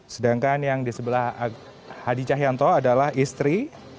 sedangkan yang di sebelah hadi cahyanto adalah istri